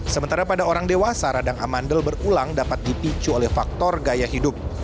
sementara pada orang dewasa radang amandel berulang dapat dipicu oleh faktor gaya hidup